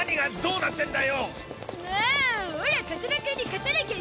うん！